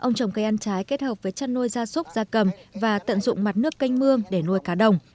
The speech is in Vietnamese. ông trồng cây ăn trái kết hợp với chăn nuôi gia súc gia cầm và tận dụng mặt nước canh mương để nuôi cá đồng